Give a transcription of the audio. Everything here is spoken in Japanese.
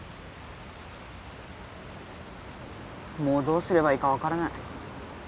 もうどうすればいいかわからない。